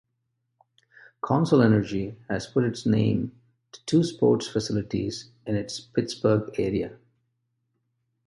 Consol Energy has put its name to two sports facilities in its Pittsburgh-area.